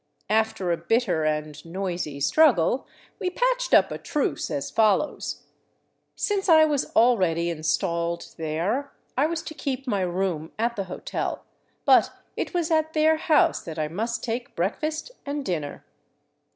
After a bitter and noisy struggle we patched up a truce as follows : Since I was already enstalled there, I was to keep my room at the hotel, but it was at their house that I must take breakfast and dinner.